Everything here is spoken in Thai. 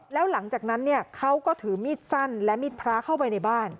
แล้วหลังจากนั้นเขาก็ถือมีดสั้นและมีดพระเข้าไปในบ้าน